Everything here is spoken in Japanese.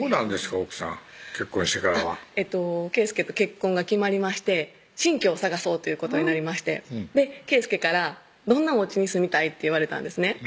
奥さん結婚してからは圭祐と結婚が決まりまして新居を探そうということになりまして圭祐から「どんなおうちに住みたい？」って言われたんですね